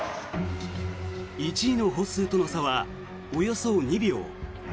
１位のホッスーとの差はおよそ２秒。